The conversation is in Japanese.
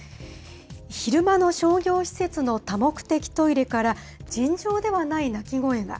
昼間の商業施設の多目的トイレから、尋常ではない泣き声が。